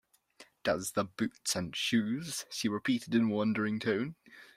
‘Does the boots and shoes!’ she repeated in a wondering tone.